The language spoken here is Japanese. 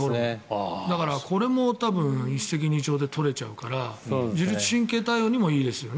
だから、これも一石二鳥で取れちゃうから自律神経対応にもいいですよね。